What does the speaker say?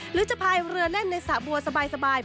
หรือจะพ่ายเรือเล่นในสะบว่าสบาย